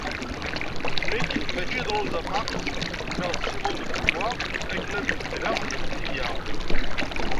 Nekk mačči d Rosa Parks neɣ Simone de Beauvoir akken ad beddleɣ timetti-ya.